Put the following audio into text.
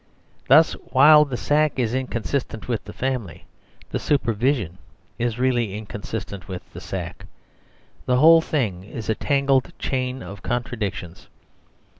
Thus while the sack is inconsistent with the family, the supervision is really inconsistent with the sack. The whole thing is a tangled chain of contradictions.